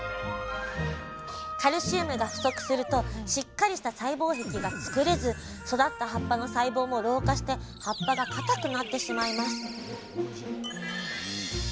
カルシウムが不足するとしっかりした細胞壁が作れず育った葉っぱの細胞も老化して葉っぱがかたくなってしまいます